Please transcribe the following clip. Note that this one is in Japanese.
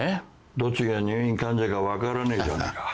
どっちが入院患者か分からねえじゃねえか。